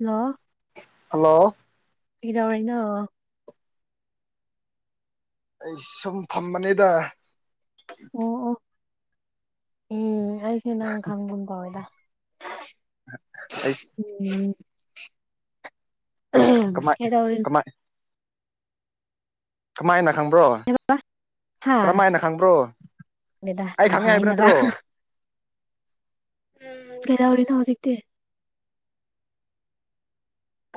hello hello ꯀꯩꯗꯧꯔꯤꯅꯣ ꯑꯩ ꯁꯨꯝ ꯐꯝꯕꯅꯤꯗꯥ ꯑꯣ ꯑꯣ ꯎꯝ ꯑꯩꯁꯦ ꯅꯪ ꯈꯪꯒꯨꯝ ꯇꯧꯔꯦꯗ ꯑꯩꯁ ꯎꯝ ꯎꯝ ꯀꯃꯥꯏ ꯀꯃꯥꯏ ꯀꯃꯥꯏꯅ ꯈꯪꯕ꯭ꯔꯣ [unintelligible] ꯍꯥꯥ ꯀꯔꯝꯃꯥꯏꯅ ꯈꯪꯕ꯭ꯔꯣ [unintelligible] ꯑꯩ ꯈꯪꯉꯦ ꯍꯥꯏꯕ ꯀꯝꯍꯥꯏꯅꯔ ꯅꯠꯇ꯭ꯔꯣ ꯎꯝ ꯀꯩꯗꯧꯔꯤꯅꯣ ꯍꯧꯖꯤꯛꯇꯤ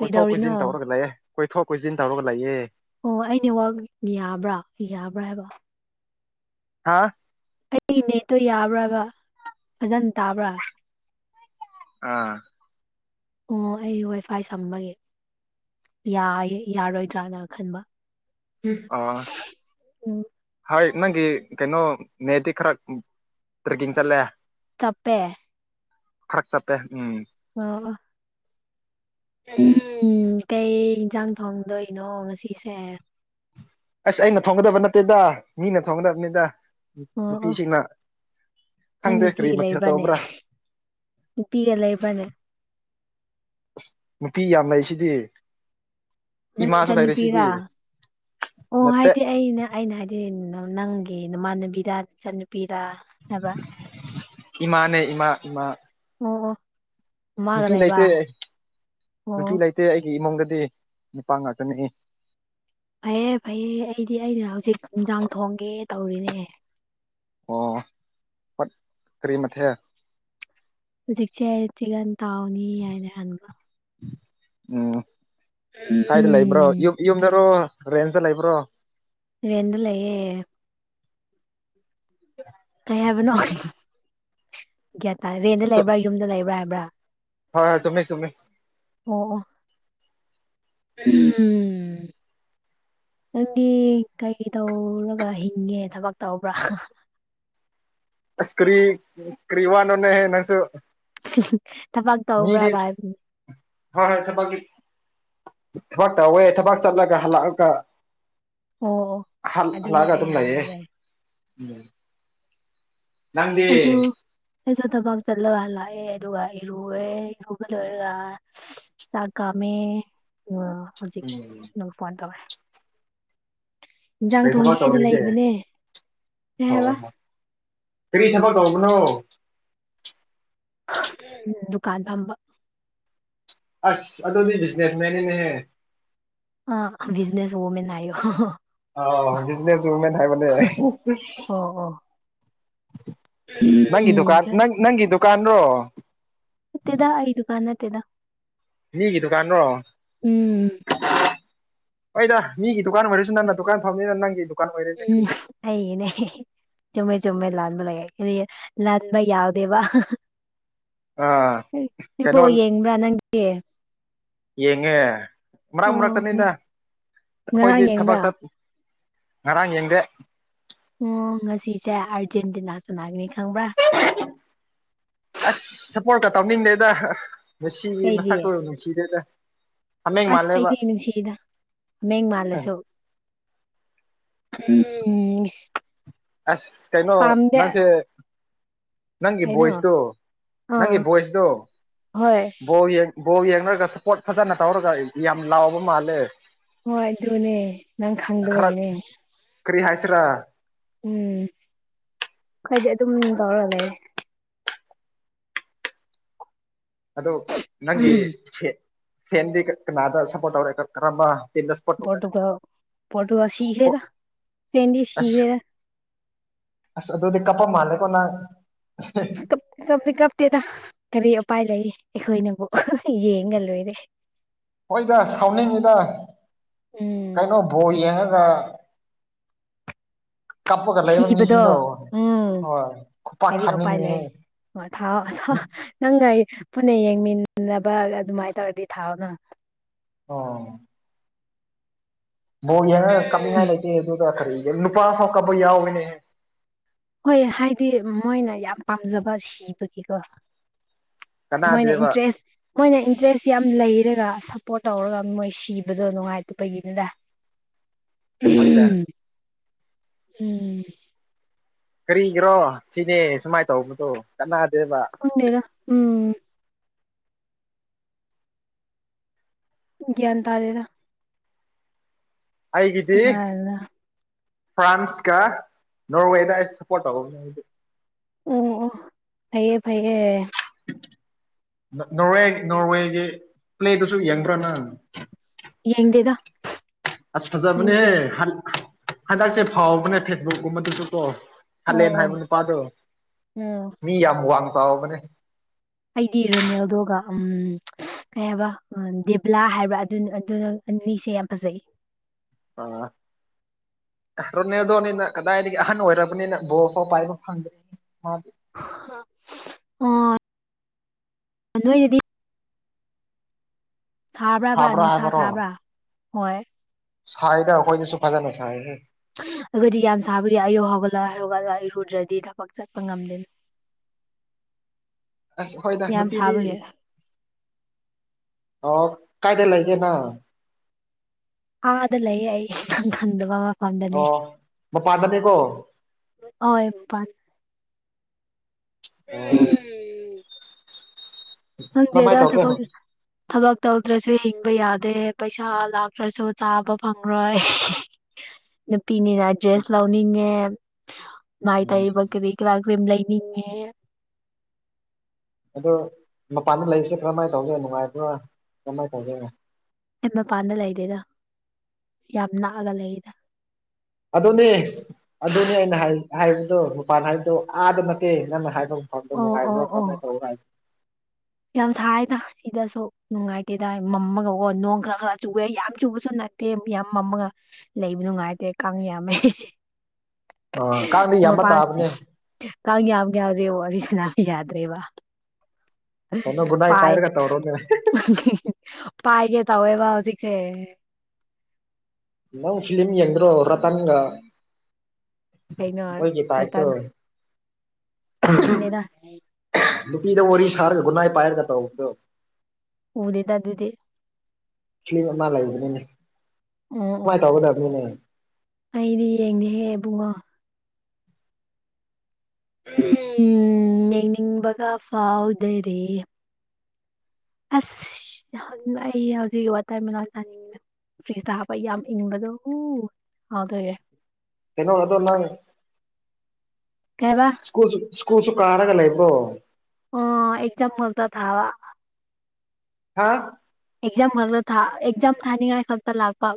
ꯀꯣꯏꯊꯣꯛ ꯀꯣꯏꯁꯤꯟ ꯇꯧꯔꯒ ꯂꯩꯑꯦ ꯀꯣꯏꯊꯣꯛ ꯀꯣꯏꯁꯤꯟ ꯇꯧꯔꯒ ꯂꯩꯑꯦ ꯑꯣ ꯑꯩ ꯅꯦꯋꯥꯛ ꯌꯥꯕ꯭ꯔꯥ ꯌꯥꯕ꯭ꯔꯥ ꯍꯥꯏꯕ ꯍꯥꯥ ꯑꯩꯒꯤ ꯅꯦꯠꯇꯣ ꯌꯥꯕ꯭ꯔꯕ ꯐꯖꯅ ꯇꯥꯕ꯭ꯔꯥ ꯑꯥ ꯑꯣ ꯑꯩ ꯋꯥꯏ ꯐꯥꯏ ꯁꯝꯕꯒꯤ ꯌꯥ ꯌꯥꯔꯣꯏꯗ꯭ꯔꯅ ꯈꯟꯕ [unintelligible] ꯑꯥ ꯎꯝ ꯍꯣꯏ ꯅꯪꯒꯤ ꯀꯩꯅꯣ ꯅꯦꯠꯗꯤ ꯈꯔ ꯇ꯭ꯔꯦꯛꯀꯤꯡ ꯆꯠꯂꯦ ꯇꯞꯄꯦ ꯈꯔꯛ ꯆꯞꯄꯦ ꯎꯝ ꯑꯣ ꯎꯝ ꯀꯩ ꯌꯦꯟꯁꯥꯡ ꯊꯣꯡꯗꯣꯏꯅꯣ ꯉꯁꯤꯁꯦ ꯑꯁ ꯑꯩꯅ ꯊꯣꯡꯒꯗꯕ ꯅꯠꯇꯦꯗ ꯃꯤꯅ ꯊꯣꯡꯒꯗꯕꯅꯤꯗ ꯑꯣ ꯑꯣ ꯅꯨꯄꯤꯁꯤꯡꯅ ꯅꯪ ꯈꯪꯗꯦ ꯅꯨꯄꯤ ꯀꯔꯤ ꯃꯊꯦꯜ ꯂꯩꯕ꯭ꯔꯅꯦ ꯇꯧꯔꯕ꯭ꯔꯥ ꯅꯨꯄꯤꯒ ꯂꯩꯕꯅꯦ ꯅꯨꯄꯤ ꯌꯥꯝ ꯂꯩꯁꯤꯗꯤ ꯅꯪ ꯏꯃꯥꯁꯨ ꯆꯟꯅꯨꯄꯤꯔ ꯂꯩꯔꯤꯁꯤꯗꯤ ꯑꯣ ꯅꯠꯇꯦ ꯍꯥꯏꯗꯤ ꯑꯩꯅ ꯑꯩꯅ ꯍꯥꯏꯗꯤ ꯅꯪꯒꯤ ꯅꯃꯥꯟꯅꯕꯤꯗ ꯏꯆꯟꯅꯨꯄꯤꯔ ꯍꯥꯏꯕ ꯏꯃꯥꯅꯦ ꯏꯃꯥ ꯏꯃꯥ ꯑꯣ ꯑꯣ ꯃꯥꯒ ꯅꯨꯄꯤ ꯂꯩꯕ ꯂꯩꯇꯦ ꯑꯣ ꯅꯨꯄꯤ ꯂꯩꯇꯦ ꯑꯩꯒꯤ ꯏꯃꯨꯡꯗꯗꯤ ꯅꯨꯄꯥ ꯉꯥꯛꯇꯅꯤ ꯐꯩꯌꯦ ꯐꯩꯌꯦ ꯑꯩꯗꯤ ꯑꯩꯅ ꯍꯧꯖꯤꯛ ꯏꯟꯖꯥꯡ ꯊꯣꯡꯒꯦ ꯇꯧꯔꯤꯅꯦ ꯑꯣ ꯀꯔꯤ ꯃꯊꯦꯜ ꯍꯧꯖꯤꯛꯁꯦ ꯆꯤꯀꯟ ꯇꯥꯎꯅꯤ ꯍꯥꯏꯅ ꯍꯟꯕ ꯎꯝ ꯀꯥꯏꯗ ꯂꯩꯕ꯭ꯔꯣ ꯎꯝ ꯌꯨꯝ ꯌꯨꯝꯗꯔꯣ ꯔꯦꯟꯁꯇ ꯂꯩꯕ꯭ꯔꯣ ꯔꯦꯟꯗ ꯂꯩꯌꯦ [inaudible] ꯀꯩ ꯍꯥꯏꯕꯅꯣ [unintelligible] ꯒ꯭ꯌꯥꯟ ꯇꯥꯗꯦ ꯔꯦꯟꯗ ꯂꯩꯕ꯭ꯔꯥ ꯌꯨꯝꯗ ꯂꯩꯕ꯭ꯔꯥ ꯍꯥꯏꯕ꯭ꯔꯥ ꯍꯣꯏ ꯍꯣꯏ ꯆꯨꯝꯃꯤ ꯆꯨꯝꯃꯤ ꯑꯣ ꯑꯣ ꯎꯝ ꯅꯪꯗꯤ ꯀꯩ ꯇꯧꯔꯒ ꯍꯤꯡꯉꯦ ꯊꯕꯛ ꯇꯧꯕ꯭ꯔꯥ ꯑꯁ ꯀꯔꯤ ꯀ꯭ꯔꯤ ꯋꯥꯅꯣꯅꯦꯍꯦ ꯅꯪꯁꯨ ꯊꯕꯛ ꯇꯧꯕ꯭ꯔꯥ ꯚꯥꯏ ꯍ ꯣꯢ ꯍꯣꯢ ꯊꯕꯛꯀꯤ ꯊꯕꯛ ꯇꯧꯋꯦ ꯊꯕꯛ ꯆꯠꯂꯒ ꯍꯜꯂꯛꯑꯒꯥ ꯑꯣ ꯑꯣ ꯑꯗꯨꯅꯦ ꯂꯥꯛꯑꯒ ꯑꯩ ꯑꯗꯨꯝ ꯂꯩꯌꯦ ꯍꯪꯕꯁꯦ ꯎꯝ ꯅꯪꯗꯤ ꯑꯩꯖꯨ ꯑꯩꯁꯨ ꯊꯕꯛ ꯆꯠꯂꯒ ꯂꯥꯛꯑꯦ ꯑꯗꯨꯒ ꯏꯔꯨꯔꯦ ꯏꯔꯨꯕ ꯂꯣꯏꯔꯒ ꯆꯥꯛ ꯀꯥꯝꯃꯦ ꯍꯧꯖꯤꯛ ꯎꯝ ꯐꯣꯟ ꯇꯧꯔꯦ ꯏꯟꯖꯥꯡ ꯀꯩ ꯊꯕꯛ ꯊꯣꯡꯒꯦꯅ ꯇꯧꯔꯤꯒꯦ ꯂꯩꯕꯅꯦ ꯀꯩ ꯍꯥꯏꯕ ꯀꯔꯤ ꯊꯕꯛ ꯀꯧꯕꯅꯣ ꯗꯨꯀꯥꯟ ꯐꯝꯕꯥ ꯑꯁ ꯑꯗꯨꯗꯤ ꯕꯤꯖꯤꯅꯦꯁ ꯃꯦꯟꯅꯤꯅꯦꯍꯦ ꯑ ꯕꯤꯖꯅ ꯍꯣꯃꯟꯅꯌꯣ [inaudible] ꯑ ꯕꯤꯖꯤꯅꯦꯁꯃꯦꯟ ꯍꯥꯏ ꯃ [inaudible] [unintelligible] ꯑꯣ ꯑꯣ ꯅꯪꯒꯤ ꯎꯝ ꯗꯨꯀꯥꯟ ꯅꯪ ꯅꯪꯒꯤ ꯗꯨꯀꯥꯟ ꯔꯣ ꯇꯦꯗ ꯑꯩꯗꯨ ꯀꯥꯟ ꯇꯦꯗ ꯅꯒꯤ ꯇꯗꯨꯀꯥꯟ ꯔꯣ ꯎꯝ ꯍꯣꯏꯗ ꯃꯤꯒꯤ ꯗꯨꯀꯥꯟ ꯑꯣꯏꯔꯁꯨ ꯅꯪꯅ ꯗꯨꯀꯥꯟ ꯐꯝꯃꯃꯤꯅ ꯅꯪꯒꯤ ꯗꯨꯀꯥꯟ ꯑꯣꯏꯔꯦꯅꯦ ꯀꯔꯤꯅꯣ ꯑꯩꯅꯦ ꯆꯨꯝꯃꯦ ꯆꯨꯝꯃꯦ ꯂꯥꯟꯕ ꯂꯩ ꯂꯥꯟꯕ ꯌꯥꯎꯗꯦꯕ ꯑꯥ ꯏꯕꯣ ꯀꯩꯅꯣ ꯌꯦꯡꯕ꯭ꯔꯥ ꯅꯪꯒꯤ ꯌꯦꯡꯉꯦ ꯃꯔꯛ ꯑꯣ ꯃꯔꯛꯇꯅꯤꯗ ꯑꯩꯈꯣꯏꯗꯤ ꯉꯔꯥꯡ ꯊꯕꯛ ꯌꯦꯡꯕ꯭ꯔꯥ ꯆꯠ ꯉꯔꯥꯡ ꯌꯦꯡꯗꯦ ꯎ ꯉꯁꯤꯁꯦ ꯑꯥꯔꯖꯦꯟꯇꯤꯅꯥ ꯁꯅꯥꯅꯤ ꯈꯪꯕ꯭ꯔꯥ ꯑꯁ ꯁꯞꯄꯣꯔꯠꯀ ꯇꯧꯅꯤꯡꯗꯦꯗ ꯉꯁꯤꯒꯤ ꯀꯩꯒꯤ ꯃꯁꯛꯔ ꯁꯤꯗꯦꯗ ꯑꯁ ꯑꯩꯗꯤ ꯅꯨꯁꯤꯗ ꯍꯃꯦꯡ ꯃꯥꯜꯂꯁꯨ ꯎꯝ ꯑꯁ ꯀꯩꯅꯣ ꯄꯥꯝꯗꯦ ꯅꯪꯁꯦ ꯅꯪꯒꯤ ꯀꯩꯅꯣ ꯚꯣꯏꯁꯗꯇꯨ ꯅꯪꯒꯤ ꯑꯥ ꯚꯣꯏꯁꯗꯨ ꯍꯣꯏ ꯕꯣꯜ ꯌꯦꯡ ꯕꯣ ꯌꯦꯡꯅꯔꯒ ꯁꯄꯣꯠ ꯐꯖꯅ ꯇꯧꯔꯒ ꯌꯥꯝ ꯂꯥꯎꯕ ꯃꯥꯜꯂꯦ ꯍꯣꯏ ꯑꯗꯨꯅꯦ ꯅꯪ ꯈꯔ ꯈꯪꯗꯕꯒꯤꯅꯦ ꯀꯔꯤ ꯍꯥꯏꯁꯤꯔ ꯎꯝ ꯈꯗꯤ ꯑꯗꯨꯝ ꯇꯧꯔ ꯂꯩꯌꯦ ꯑꯗꯨ ꯅꯪꯒꯤ ꯎꯝ ꯐꯦ ꯐꯦꯟꯗꯤ ꯀꯅꯥꯗ ꯁꯞꯄꯣꯔꯠ ꯇꯧꯔꯦ ꯀꯔꯝꯕ ꯇꯤꯝꯗ ꯁꯞꯄꯣꯔꯠ ꯇꯧꯔꯦ ꯄꯣꯇꯣꯒꯜ ꯄꯣꯔꯇꯨꯒꯜ ꯁꯤꯈꯔꯦ ꯗ ꯁ꯭ꯄꯦꯟꯗꯤ ꯑꯁ ꯁꯤꯈꯦꯗ ꯑꯁ ꯑꯗꯨꯗꯤ ꯀꯞꯄ ꯃꯥꯜꯂꯦꯀꯣ ꯅꯪ ꯀꯞ ꯀꯞꯇꯤ ꯀꯞꯇꯦꯗ ꯀꯔꯤ ꯎꯄꯥꯏ ꯂꯩ ꯑꯩꯈꯣꯏꯅꯕꯨ ꯌꯦꯡꯒ ꯂꯣꯏꯔꯦ ꯍꯣꯏꯗ ꯁꯥꯎꯅꯤꯡꯉꯤꯗ ꯎꯝ ꯀꯩꯅꯣ ꯕꯣꯜ ꯌꯦꯡꯉꯒ ꯀꯥꯞꯄꯒ ꯂꯩꯕ ꯁꯤꯕꯗꯣ ꯃꯤꯁꯤꯡꯗꯣ ꯎꯝ ꯍꯣꯏ ꯈꯨꯄꯥꯛ ꯊꯥꯅꯤꯡꯉꯍꯦ ꯑꯣ ꯊꯥꯎ ꯅꯪꯒ ꯄꯨꯟꯅ ꯌꯦꯡꯃꯤꯟꯅꯕ ꯑꯗꯨꯃꯥꯏꯅ ꯇꯧꯔꯗꯤ ꯊꯥꯎꯅ ꯑꯣ ꯕꯣꯛ ꯌꯦꯡꯉ ꯀꯞꯅꯤꯡꯉꯥꯏ ꯂꯩꯇꯦ ꯑꯗꯨꯗ ꯀꯔꯤ ꯅꯨꯄꯥ ꯑꯃ ꯀꯞꯄ ꯌꯥꯎꯋꯦꯅꯦ ꯍꯣꯏ ꯍꯥꯏꯗꯤ ꯃꯣꯏꯅ ꯌꯥꯝ ꯄꯥꯝꯖꯕ ꯁꯤꯕꯒꯤꯀꯣ ꯃꯣꯏꯅ ꯀꯅꯥꯗꯦꯕ ꯏꯟꯇꯔꯦꯁ ꯃꯣꯏꯅ ꯏꯟꯇꯔꯦꯁ ꯌꯥꯝ ꯂꯩꯔꯒ ꯁꯄꯣ꯭ꯔꯠ ꯇꯧꯔꯒ ꯃꯣꯏ ꯁꯤꯕꯗꯣ ꯅꯨꯡꯉꯥꯏꯇꯕꯒꯤꯅꯤꯗ [inaudible] [inaudible] ꯎꯝ ꯀꯔꯤꯒꯤꯔꯣ ꯁꯤꯅꯦ ꯁꯨꯃꯥꯏꯅ ꯇꯧꯕꯗꯣ ꯆꯥꯟꯅꯗꯦꯕ ꯈꯪꯗ‌ꯦꯗ ꯑꯝ ꯒꯥ꯭ꯏꯟ ꯇꯥꯔꯦꯗ ꯑꯩꯒꯤꯗꯤ ꯀꯅꯥꯅ ꯐ꯭ꯔꯥꯟꯁꯀ ꯅꯣꯔꯋꯦꯗ ꯑꯩ ꯁꯄꯣꯔꯠ ꯇꯧꯕꯅꯦ ꯑꯩꯗꯤ ꯑꯣ ꯑꯣ ꯐꯩꯌꯦ ꯐꯩꯌꯦ ꯅꯣꯔꯋꯦ ꯅꯣꯔꯋꯦꯒꯤ ꯄ꯭ꯂꯦꯗꯨꯁꯨ ꯌꯦꯡꯕ꯭ꯔꯅꯪ ꯌꯦꯡꯗꯦꯗ ꯑꯁ ꯅꯪꯗꯤ ꯐꯖꯕꯅꯦꯍꯦ ꯌꯦꯡ ꯍꯟꯗꯛꯁꯦ ꯐꯥꯎꯕꯅꯦ ꯐꯦꯁꯕꯨꯛꯀꯨꯝꯕꯗꯁꯨ ꯀ‌ꯣ ꯑꯣ ꯍꯥꯂꯦꯟ ꯑꯣ ꯍꯥꯏꯕ ꯅꯨꯄꯥꯗꯣ ꯎꯝ ꯃꯤ ꯌꯥꯝ ꯋꯥꯡ ꯆꯥꯎꯕꯅꯦ ꯑꯩꯗꯤ ꯔꯣꯅꯦꯜꯗꯣꯒ ꯎꯝ ꯀꯩ ꯍꯥꯏꯕ ꯗꯦꯕꯂꯥ ꯍꯥꯏꯕ꯭ꯔꯥ ꯑꯗꯨ ꯑꯗꯨꯅ ꯑꯅꯤꯁꯦ ꯌꯥꯝ ꯐꯖꯩ ꯑꯥ ꯔꯣꯅꯦꯜꯗꯣꯅꯤꯅ ꯀꯗꯥꯏꯗꯒꯤ ꯑꯍꯟ ꯑꯣꯏꯔꯕꯅꯤꯅ ꯕꯣꯜ ꯐꯧ ꯄꯥꯏꯕ ꯐꯪꯗꯦ ꯃꯥꯗꯤ ꯑ ꯑꯥ [unintelligible] ꯅꯣꯏꯗꯗꯤ ꯁꯥꯕ꯭ꯔꯥꯕ ꯁꯥꯕ꯭ꯔꯥ ꯅꯨꯡꯁꯥ ꯍꯥꯏꯕꯔꯣ ꯁꯥꯕ꯭ꯔꯥ ꯍꯣꯏ ꯁꯥꯏꯗ ꯑꯩꯈꯣꯏꯗꯁꯨ ꯐꯖꯅ ꯁꯥꯏꯍꯦ ꯑꯩꯈ‌ꯣꯏꯗꯤ ꯌꯥꯝ ꯁꯥꯕꯒꯤ ꯑꯌꯨꯛ ꯍꯧꯒꯠꯂ ꯍꯧꯒꯠꯂ ꯑꯩꯔꯨꯗ꯭ꯔꯗꯤ ꯊꯕꯛ ꯆꯠꯄ ꯉꯝꯗꯦꯅꯦ [inaudible] ꯑꯁ ꯍꯣꯏꯅ ꯌꯥꯝ ꯅꯨꯄꯤꯗꯤ ꯁꯥꯕꯒꯤ ꯑꯣ ꯀꯥꯏꯗ ꯂꯩꯒꯦ ꯅꯪ ꯑꯗꯥ ꯂꯩꯌ‌ꯦ ꯑꯩ [unintelligible] ꯈꯪ ꯈꯪꯗꯕ ꯑꯣ ꯃꯐꯝꯗꯅ‌ꯦ ꯃꯄꯥꯟꯗꯅꯦꯀꯣ ꯑꯑꯣꯏ ꯄꯥꯠ ꯑꯣ ꯎꯝ ꯀꯃꯥꯏ ꯈꯪꯗꯦꯗ ꯇꯧꯒꯦ ꯊꯕꯛꯁꯦ ꯊꯕꯛ ꯇꯧꯗ꯭ꯔꯁꯨ ꯍꯤꯡꯕ ꯌꯥꯗꯦ ꯄꯩꯁꯥ ꯂꯥꯛꯇ꯭ꯔꯁꯨ ꯆꯥꯕ ꯐꯪꯂꯔꯣꯏ [inaudible] ꯅꯨꯄꯤꯅꯤꯅ ꯗ꯭ꯔꯦꯁ ꯂꯧꯅꯤꯡꯉꯦ ꯃꯥꯏ ꯎꯝ ꯇꯩꯏꯕ ꯀꯔꯤ [unintelligible] ꯂꯩꯅꯤꯡꯉꯦ ꯑꯗꯣ ꯃꯄꯥꯟꯗ ꯂꯩꯕꯁꯦ ꯀꯔꯝꯃꯥꯏ ꯇꯧꯒꯦ ꯅꯨꯡꯉꯥꯏꯕ꯭ꯔ‌ꯣ ꯀꯃꯥꯏ ꯇꯧꯒꯦ ꯑꯩ ꯃꯄꯥꯟꯗ ꯂꯩꯗꯦꯗꯥ ꯌꯥꯝ ꯅꯥꯛꯑꯒ ꯂꯩꯑꯦꯗꯥ ꯑꯗꯨꯅꯤ ꯑꯗꯨꯅꯤ ꯑꯩꯅ ꯍꯥꯏ ꯍꯥꯏꯕꯗꯨ ꯃꯄꯥꯟ ꯍꯥꯏꯕꯗꯨꯣ ꯑꯥꯗ ꯅꯠꯇꯦ ꯅꯪꯅ ꯍꯥꯏꯕ ꯌꯨꯝ ꯄꯥꯟꯕ ꯑꯣ ꯑꯣ ꯅꯨꯡꯉꯥꯏꯕ꯭ꯔꯣ ꯑꯣ ꯀꯃꯥꯏ ꯇꯧ [unintelligible] ꯌꯥꯝ ꯁꯥꯏꯗ ꯁꯤꯗꯁꯨ ꯅꯨꯡꯉꯥꯏꯇꯦꯗ ꯃꯝꯃꯒ ꯑꯣ ꯅꯣꯡ ꯈꯔ ꯈꯔ ꯆꯨꯏꯌ‌ꯦ ꯌꯥꯝ ꯆꯨꯕꯁꯨ ꯅꯠ ꯇꯦ ꯌꯥꯝ ꯃꯝꯃꯒ ꯂꯩꯕ ꯅꯨꯡꯉꯥꯏꯇꯦ ꯀꯥꯡ ꯌꯥꯝꯃꯦ ꯑ ꯀꯥꯡꯗꯤ ꯌꯥꯝꯕ ꯃꯄꯥꯜ ꯇꯥꯕꯅꯦ ꯀꯥꯡ ꯌꯥꯝꯒꯦ ꯍꯧꯖꯤꯛ ꯋꯥꯔꯤ ꯁꯥꯟꯅꯕ‌ ꯌꯥꯗ꯭ꯔꯦꯕ ꯀꯩꯅꯣ ꯒꯨꯗ ꯅꯥꯏꯠ ꯄꯥꯏ ꯄꯥꯏꯔꯒ ꯇꯧꯔꯣꯅꯦ [unintelligible] ꯄꯥꯏꯒꯦ ꯇꯋꯦꯕ ꯍꯧꯖꯤꯛꯁꯦ ꯅꯪ ꯐꯤꯂꯤꯝ ꯌꯦꯡꯗꯔꯣ ꯔꯇꯟꯒ ꯀꯩꯅꯣ ꯃꫭꯏꯒꯤ ꯕꯥꯠꯇꫭ ꯃꯇꯝ [unintelligible] [unintelligible] ꯈꯪꯗꯦꯗ ꯅꯨꯄꯤꯗ ꯋꯥꯔꯤ ꯁꯥꯔꯒ ꯒꯨꯠꯅꯥꯏꯠ ꯄꯥꯏꯔꯒ ꯇꯧꯕꯗꫭ ꯎꯗꯦꯗ ꯑꯗꯨꯗꯤ ꯐꯤꯂꯝ ꯑꯃ ꯂꯩꯕꯅꯤꯅꯦ ꯑꯣ ꯑꯣ ꯁꯨꯃꯥꯏ ꯇꯧꯒꯗꯕꯅꯤꯅꯦ ꯑꯩꯗꯤ ꯌꯦꯡꯗꯦꯍꯦ ꯑꯕꯨꯡꯉꯣ ꯎꯝ ꯌꯦꯡꯅꯤꯡꯕꯒ ꯐꯥꯎꯗꯔꯦ ꯑꯁ ꯅꯍꯥꯟꯅ ꯑꯩ ꯍꯧꯖꯤꯛ [unintelligible] ꯐ꯭ꯔꯤꯁꯇ ꯍꯥꯞꯄ ꯌꯥꯝ ꯏꯪꯕꯗꯣ ꯍꯨ ꯐꯥꯎꯗ‌ꯣꯏꯔ‌ꯦ ꯀꯩꯅꯣ ꯅꯪꯗꯣ ꯅꯪ ꯀꯩ ꯍꯥꯏꯕ ꯁ꯭ꯀꯨꯜ ꯁ꯭ꯀꯨꯜꯁꯨ ꯀꯥꯔꯒ ꯂꯩꯕ꯭ꯔ‌ꯣ ꯑꯣ ꯑꯦꯛꯖꯥꯝ ꯃꯔꯥꯛꯇ ꯊꯥꯕ ꯍꯥ ꯑꯦꯛꯖꯥꯝ [unintelligible] ꯊꯥ ꯑꯦꯛꯖꯥꯝ ꯊꯥꯅꯤꯉꯥꯏ ꯈꯛꯇ ꯂꯥꯛꯄꯥ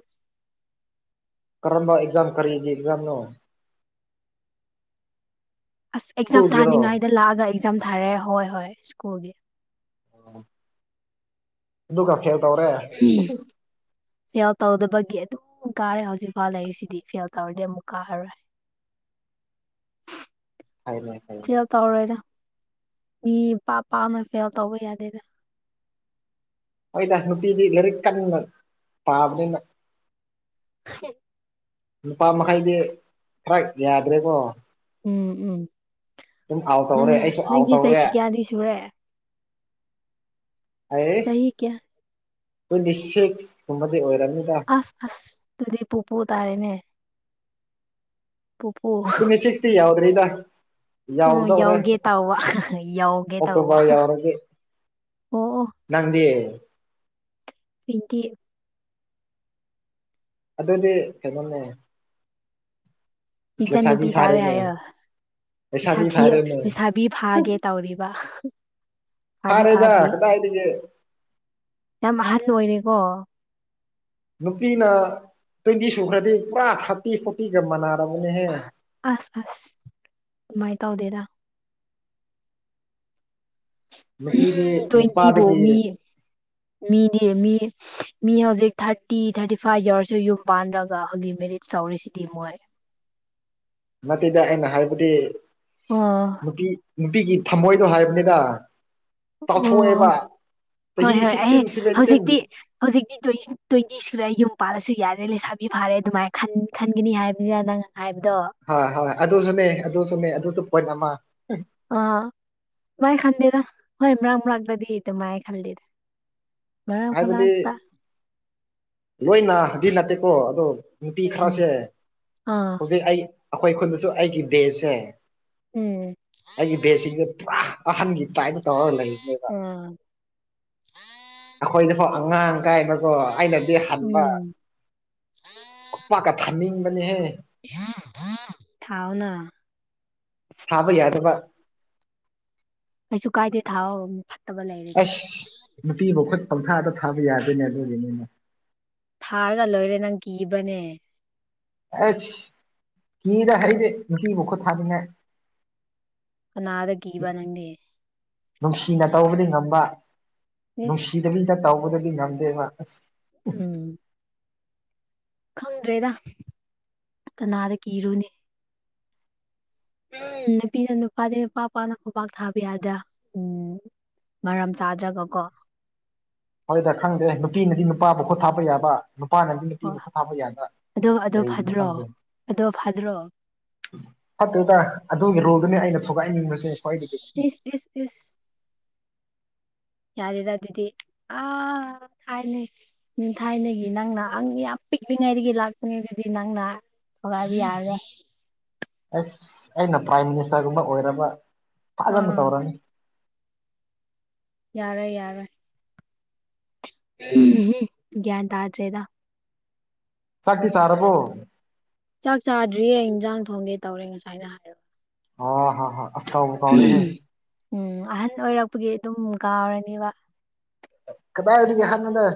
ꯀꯔꯝꯝꯕ ꯑꯦꯛꯖꯥꯝ ꯀꯔꯤꯒꯤ ꯑꯦꯛꯖꯥꯝ ꯅꯣ ꯑꯁ ꯑꯦꯛꯖꯥꯝ ꯁ꯭ꯀꯨꯜꯒꯤꯔꯣ ꯊꯥꯅꯤꯡꯉꯥꯏꯗ ꯂꯥꯛꯑꯒ ꯑꯦꯛꯖꯥꯝ ꯊꯥꯔꯦ ꯍꯣꯏ ꯍꯣꯏ ꯁ꯭ꯀꯨꯜꯒꯤ ꯑꯣ ꯑꯗꯨꯒ [unintelligible] ꯎꯝ ꯐꯦꯜ ꯇꯧꯗꯕꯒꯤ ꯑꯗꯨꯝ ꯀꯥꯔꯦ ꯍꯧꯖꯤꯛꯐꯥꯎ ꯂꯩꯔꯤꯁꯤꯗꯤ ꯐꯦꯜ ꯇꯧꯔꯗꯤ ꯑꯃꯨꯛ ꯀꯥꯔꯔꯣꯏ ꯍꯥꯏꯔ‌ꯣꯏ-ꯍꯥꯏꯔ‌ꯣꯏ ꯐꯦꯜ ꯇꯧꯔꯣꯏꯗ ꯃꯤ ꯄꯥꯛ-ꯄꯥꯛꯅ ꯐꯦꯜ ꯇꯧꯕ ꯌꯥꯗꯦꯗ ꯍ‌ꯣꯏꯗ ꯅꯨꯄꯤꯗꯤ ꯂꯥꯏꯔꯤꯛ ꯀꯟꯅ ꯄꯥꯕꯅꯤꯅ ꯍꯨꯝ ꯅꯨꯄꯥ ꯃꯈꯩꯗꯤ ꯈꯔ ꯌꯥꯗ꯭ꯔꯦꯀꯣ ꯎꯝ ꯎꯝ ꯑꯗꯨꯝ ꯑꯥꯎ ꯅꯪ ꯇꯧꯔꯦ ꯑꯩꯁꯨ ꯑꯥꯎ ꯅꯪꯒꯤ ꯇꯧꯔꯦ ꯆꯍꯤ ꯀꯌꯥꯗꯤ ꯁꯨꯔꯦ ꯑꯩ ꯆꯍꯤ ꯀꯌꯥ ꯇꯥ꯭ꯋꯟꯇꯤꯁꯤꯛꯁ ꯀꯨꯝꯕꯗꯤ ꯑꯣꯏꯔꯝꯅꯤꯗ ꯑꯁ ꯑꯁ ꯑꯗꯨꯗꯤ ꯄꯣꯄꯨ ꯇꯥꯔꯦꯅꯦ ꯄꯨꯄꯨ ꯇꯤꯝ ꯑꯦꯁꯤꯁ ꯇꯤ ꯌꯥꯥꯎꯗ꯭ꯔꯤꯗ ꯑꯣ ꯌꯧꯒꯗꯧꯔꯦ ꯌꯥꯎꯒꯦ ꯇꯧꯕ ꯌꯥꯎꯒꯦ ꯑꯣꯛꯇꯣꯕ꯭ꯔ ꯇꯧꯕ ꯌꯧꯔꯗꯤ ꯑꯣ ꯑꯣ ꯅꯪꯗꯤ ꯄꯤꯟꯇꯤ ꯑꯗꯨꯗꯤ ꯀꯩꯅꯣꯅꯦ ꯏꯆꯟ ꯂꯩꯁꯥꯕꯤ ꯅꯨꯄꯤ ꯇꯥꯔꯦ ꯐꯥꯔꯦꯅꯦ ꯍꯥꯏꯌꯦ ꯏꯁꯥ ꯂꯩꯁꯥꯕꯤ ꯊꯤꯌꯦ ꯐꯥꯔꯦꯅꯦ ꯏꯁꯥ ꯕꯤ ꯐꯥꯒꯦ ꯇꯧꯔꯤꯕ ꯐꯥꯗꯤ ꯐꯥꯔꯦꯗ ꯐꯥꯗ꯭ꯔꯤ ꯀꯗꯥꯏꯗꯒꯤ ꯌꯥꯝ ꯑꯍꯥꯟ ꯑꯣꯏꯔꯦꯀꯣ ꯅꯨꯄꯤꯅ ꯇ꯭ꯋꯦꯟꯇꯤ ꯁꯨꯈ꯭ꯔꯗꯤ ꯄꯨꯔꯥ ꯊꯥꯔꯇꯤ ꯐꯣꯔꯇꯤꯒ ꯃꯥꯟꯅꯔꯕꯅꯦꯍꯦ ꯑꯁ ꯑꯁ ꯑꯗꯨꯨꯃꯥꯏꯅ ꯇꯧꯗꯦꯗ ꯅꯨꯄꯤꯗꯤ ꯎ ꯇ꯭ꯋꯦꯟꯇꯤ ꯐꯥꯎ ꯅꯨꯄꯥꯗꯒꯤ ꯃꯤ ꯃꯤꯅꯦ ꯃꯤ ꯃꯤ ꯍꯧꯖꯤꯛ ꯊꯥꯔꯇꯤ ꯊꯥꯔꯇꯤ ꯐꯥꯏꯚ ꯌꯧꯔꯁꯨ ꯌꯨꯝ ꯄꯥꯟꯗ꯭ꯔꯒ ꯍꯣꯂꯤ ꯃꯦꯔꯤꯌꯦꯁ ꯇꯧꯔꯤꯁꯤꯗꯤ ꯃꯣꯏ ꯅꯠꯇꯩꯗ ꯑꯩꯅ ꯍꯥꯏꯕꯗꯤ ꯑꯣ ꯅꯨꯄꯤ ꯅꯨꯄꯤꯒꯤ ꯊꯝꯃꯣꯏꯗꯣ ꯍꯥꯏꯕꯅꯤꯗ ꯑꯣ ꯑꯣ ꯆꯥꯎꯊꯣꯛꯑꯦꯕ ꯍꯣꯏ ꯆꯍꯤ ꯍꯣꯏ ꯑꯩ ꯁꯤꯛꯁꯇꯤꯟ ꯁꯚꯦꯟꯇꯤꯟ ꯍꯧꯖꯤꯛꯇꯤ ꯍꯧꯖꯤꯛꯇꯤ ꯇ꯭ꯋꯥꯏꯁꯟ ꯇ꯭ꯋꯦꯟꯇꯤ ꯁꯨꯔꯦ ꯌꯨꯝ ꯄꯥꯜꯂꯁꯨ ꯌꯥꯔꯦ ꯂꯩꯁꯥꯕꯤ ꯐꯥꯔꯦ ꯑꯗꯨꯃꯥꯏꯅ ꯈꯟ ꯈꯟꯒꯅꯤ ꯍꯥꯏꯕꯅꯤꯅ ꯅꯪ ꯍꯥꯏꯕꯗꯣ ꯍꯣꯏ ꯍꯣꯏ ꯑꯗꯨꯁꯨꯅꯦ ꯑꯗꯨꯁꯨꯅꯦ ꯑꯗꯨꯁꯨ ꯄꯣꯏꯟꯠ ꯑꯃ ꯑ ꯃꯥꯏ ꯈꯟꯗꯦꯗ ꯍꯣꯏ ꯃꯔꯛ ꯃꯔꯥꯛꯇꯗꯤ ꯑꯗꯨꯃꯥꯏ ꯈꯟꯂꯤꯗ ꯉꯔꯥꯡꯃꯨꯛ ꯍꯥꯏꯕꯗꯤ ꯂꯥꯛꯇ ꯂꯣꯏꯅꯗꯤ ꯅꯠꯇꯦꯀꯣ ꯑꯗꯣ ꯅꯨꯄꯤ ꯎꯝ ꯈꯔꯁꯦ ꯑꯥ ꯍꯧꯖꯤꯛ ꯑꯩ ꯑꯩꯈꯣꯏ ꯈꯨꯟꯗꯁꯨ ꯑꯩꯒꯤ ꯕꯦꯠꯁꯁꯦ ꯎꯝ ꯑꯩꯒꯤ ꯕꯦꯠꯁꯤꯡꯁꯦ ꯄꯨꯔꯥ ꯑꯍꯟꯒꯤ ꯇꯥꯏꯃ ꯇꯧꯔꯒ ꯂꯩꯕꯅꯦꯕ ꯎꯝ ꯑꯩꯈꯣꯏꯅꯐꯣꯛ ꯑꯉꯥꯡ ꯀꯥꯏꯕꯀꯣ ꯑꯩꯅꯗꯤ ꯍꯟꯕ ꯎꯝ ꯈꯨꯄꯥꯛꯀ ꯊꯅꯤꯡꯕꯅꯦ ꯍꯦ ꯊꯥꯎꯅ ꯊꯥꯕ ꯌꯥꯗꯕ ꯀꯩꯁꯨ ꯀꯥꯏꯗꯦ ꯊꯥꯥꯎ ꯑꯁ ꯅꯨꯄꯤꯕꯨ ꯈꯨꯠ ꯄꯪꯊꯥꯗ ꯊꯥꯕ ꯌꯥꯗꯦꯅꯦ ꯑꯗꯨꯒꯤꯅꯤꯅꯦ ꯊꯥꯔꯒ ꯂꯣꯏꯔꯦ ꯅꯪ ꯀꯤꯕꯅꯦ ꯑꯩꯁ ꯀꯤꯗ ꯑꯩꯗꯤ ꯅꯨꯄꯤꯕꯨ ꯈꯨꯠ ꯊꯥꯅꯤꯡꯉꯦ ꯀꯅꯥꯗ ꯀꯤꯕ ꯅꯪꯗꯤ ꯅꯨꯡꯁꯤꯅ ꯇꯧꯕꯗꯤ ꯉꯝꯕ ꯏꯁ ꯅꯨꯡꯁꯤꯗꯕꯤꯗ ꯇꯧꯕꯗꯗꯤ ꯉꯝꯗꯦꯕ ꯑꯁ ꯎꯝ ꯈꯪꯗ꯭ꯔꯦꯗ ꯀꯅꯥꯗ ꯀꯤꯔꯨꯅꯤ ꯎꯝ ꯅꯨꯄꯤꯅ ꯅꯨꯄꯥꯗꯤ ꯄꯥꯛ ꯄꯥꯛꯅ ꯈꯨꯄꯥꯛ ꯊꯥꯕ ꯌꯥꯗꯦ ꯎꯝ ꯃꯔꯝ ꯆꯥꯗ꯭ꯔꯒ ꯀꯣ ꯍꯣꯏꯗ ꯈꯪꯗꯦ ꯅꯨꯄꯤꯅꯗꯤ ꯅꯨꯄꯥꯕꯨ ꯈꯣꯠ ꯊꯥꯕ ꯌꯥꯕ ꯅꯨꯄꯥꯅꯗꯤ ꯅꯨꯄꯤꯕꯧ ꯍꯣꯏ ꯐꯥꯕ ꯌꯥꯗ꯭ꯔꯥ ꯑꯗꯣ ꯑꯗꯣ ꯀꯔꯤꯒꯤꯅꯣ ꯐꯗ꯭ꯔꯣ ꯈꯪꯗꯦ ꯑꯗꯣ ꯐꯗ꯭ꯔꯣ ꯐꯠꯇꯦꯗ ꯑꯗꯨꯒꯤ ꯔꯣꯜꯗꯨꯅꯦ ꯑꯩꯅ ꯊꯨꯒꯥꯏꯅꯤꯡꯕꯁꯦ ꯈ꯭ꯋꯥꯏꯗꯒꯤ ꯏꯁ ꯏꯁ ꯏꯁ ꯌꯥꯔꯦꯔ ꯑꯗꯨꯗꯤ ꯑ ꯍꯥꯏꯅꯦ ꯎꯝ ꯊꯥꯏꯅꯒꯤ ꯅꯪꯅ ꯑꯪ ꯌꯥꯝ ꯄꯤꯛꯂꯤꯉꯩꯗꯒꯤ ꯂꯥꯛꯄꯅꯤ ꯑꯗꯨꯗꯤ ꯅꯪꯅ [unintelligible] ꯌꯥꯔꯦꯌꯦ ꯑꯁ ꯑꯩꯅ ꯄ꯭ꯔꯥꯏꯝ ꯃꯤꯅꯤꯁꯇꯔꯒꯨꯝꯕ ꯑꯣꯏꯔꯕ ꯐꯖꯅ ꯑꯥ ꯇꯧꯔꯅꯤ ꯌꯥꯔꯣꯏ ꯌꯥꯔꯣꯏ ꯎꯝ ꯍꯨ ꯒ꯭ꯌꯥꯟ ꯇꯥꯗ꯭ꯔꯦꯗ ꯆꯥꯛꯇꯤ ꯆꯥꯔꯕꯣ ꯆꯥꯛ ꯆꯥꯗ꯭ꯔꯤꯌꯦ ꯏꯟꯖꯥꯡ ꯊꯣꯡꯒꯦ ꯇꯧꯔꯦ ꯉꯁꯥꯏꯅ ꯍꯥꯏꯔ ꯑ ꯍ ꯍ ꯑꯁꯥꯎ ꯀꯥꯎꯔꯦ ꯍꯦ ꯎꯝ ꯑꯍꯟ ꯑꯣꯏꯔꯛꯄꯒꯤ ꯑꯗꯨꯝ ꯀꯥꯎꯔꯅꯦꯕ ꯀꯗꯥꯏꯗꯒꯤ ꯍꯟꯅꯣꯗ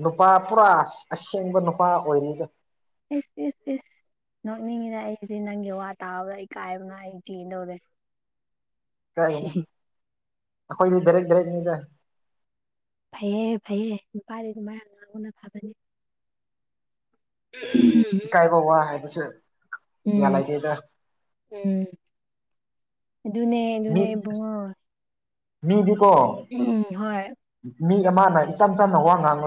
ꯅꯨꯄꯥ ꯄꯨꯔꯥ ꯑꯁꯦꯡꯕ ꯅꯨꯄꯥ ꯑꯣꯏꯔꯤꯗ ꯏꯁ ꯏꯁ ꯏꯁ ꯅꯣꯛꯅꯤꯡꯉꯤꯗ ꯑꯩꯗꯤ ꯅꯪꯒꯤ ꯋꯥ ꯇꯥꯕꯗ ꯏꯀꯥꯏꯕꯅ ꯑꯩ ꯆꯤꯗꯧꯔꯦ ꯀꯥꯏꯒꯤꯅꯣ ꯑꯩꯈꯣꯏꯗꯤ ꯗꯥꯢꯔꯦꯛ ꯗꯥꯢꯔꯦꯛꯅꯤꯗ ꯐꯩꯑꯌꯦꯦ ꯐꯩꯌꯦꯦ ꯅꯨꯄꯥꯔꯤ ꯑꯗꯨ ꯃꯌꯥꯝ [unintelligible] ꯎꯝ ꯏꯀꯥꯏꯕ ꯋꯥ ꯍꯥꯏꯕꯁꯨ ꯎꯝ ꯎꯝ ꯑꯗꯨꯅꯦ ꯃꯤ ꯑꯗꯨꯅꯦ ꯏꯕꯨꯡꯉꯣ ꯃꯤꯗꯤꯀꯣ ꯎꯝ ꯍꯣꯏ ꯃꯤ ꯑꯃꯅ ꯏꯆꯝ ꯆꯝꯅ ꯋꯥ ꯉꯥꯡꯒ